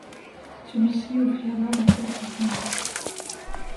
Celui-ci l'offrit alors au peuple islandais.